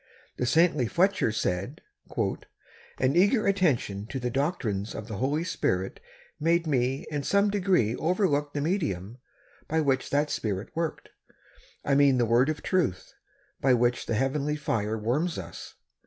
The saintly Fletcher said, "An eager attention to the doctrines of the Holy Spirit made me in some degree overlook the medium by which that Spirit works ; I mean the word of truth, by which that heavenly fire warms us.